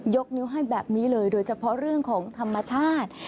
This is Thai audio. นิ้วให้แบบนี้เลยโดยเฉพาะเรื่องของธรรมชาติ